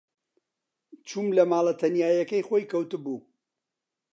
چووم لە ماڵە تەنیایییەکەی خۆی کەوتبوو.